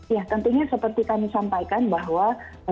ya tentunya seperti kami sampaikan bahwa